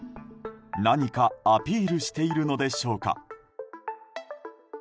何かアピールしているのでしょうか。